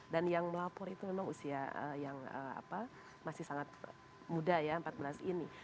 dan yang melapor itu memang usia eee yang eee apa masih sangat muda ya empat belas ini